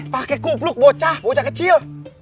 pakai kubluk bocah bocah kecil